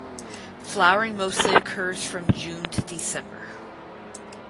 Flowering mostly occurs from June to December.